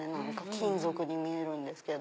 金属に見えるんですけど。